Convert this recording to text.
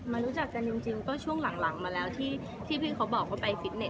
รู้จักกันจริงก็ช่วงหลังมาแล้วที่พี่เขาบอกว่าไปฟิตเต็